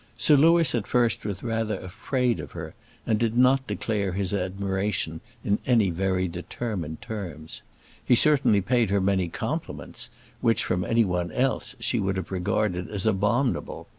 Sir Louis at first was rather afraid of her, and did not declare his admiration in any very determined terms. He certainly paid her many compliments which, from any one else, she would have regarded as abominable.